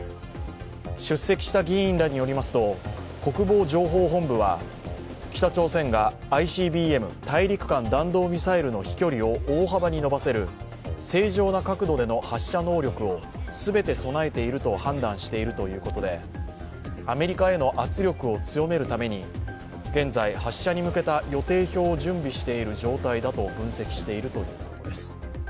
出席した議員らによりますと国防情報本部は北朝鮮がＩＣＢＭ＝大陸間弾道ミサイルの飛距離を大幅に伸ばせる正常角度での発射能力を全て備えていると判断しているということでアメリカへの圧力を強めるために現在、発射に向けた予定表を準備している状態だと分析しているということです。